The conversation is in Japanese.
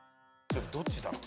どっちだろう？